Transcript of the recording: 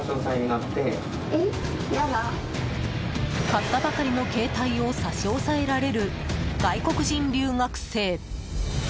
買ったばかりの携帯を差し押さえられる外国人留学生。